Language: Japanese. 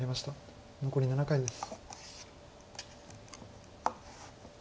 残り７回です。